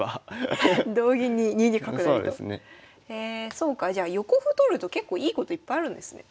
そうかじゃあ横歩取ると結構いいこといっぱいあるんですね。